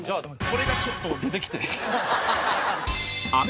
これがちょっと出てきて。